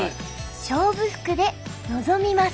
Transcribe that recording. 勝負服で臨みます。